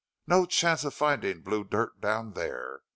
No chance of finding blue dirt down there!